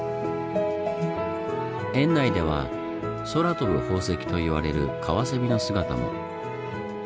園内では「空飛ぶ宝石」と言われるカワセミの姿も。